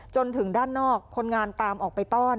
จนถึงด้านนอกคนงานตามออกไปต้อน